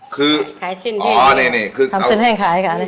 คือขายเส้นแห้งอ๋อนี่คือทำเส้นแห้งขายค่ะ